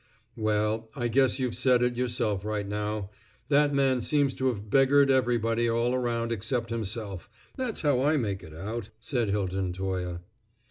"Well, I guess you've said it yourself right now. That man seems to have beggared everybody all around except himself; that's how I make it out," said Hilton Toye.